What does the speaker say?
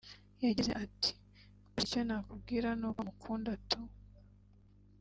yagize ati ’Gusa icyo nakubwira ni uko mukunda tu